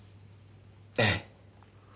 ええ。